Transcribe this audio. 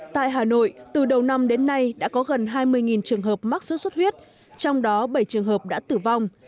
tại hà nội từ đầu năm đến nay đã có gần hai mươi trường hợp mắc sốt xuất huyết trong đó bảy trường hợp đã tử vong